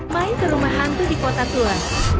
main ke rumah hantu di kota tua